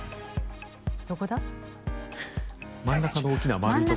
どこだ？